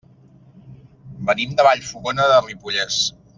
Venim de Vallfogona de Ripollès.